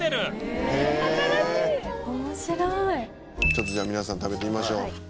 ちょっとじゃあ皆さん食べてみましょう。